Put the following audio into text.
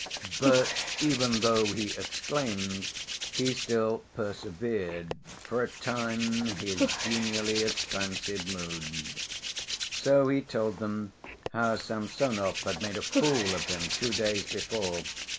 But even though he exclaimed he still preserved for a time his genially expansive mood. So he told them how Samsonov had made a fool of him two days before.